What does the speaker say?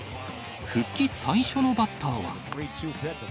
復帰最初のバッターは。